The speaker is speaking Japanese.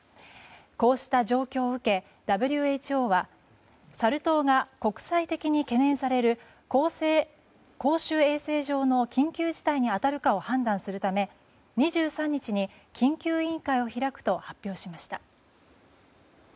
こうした状況を受けＷＨＯはサル痘が国際的に懸念される公衆衛生上の緊急事態に当たるかを判断するため２３日に緊急委員会を開くと発表しました。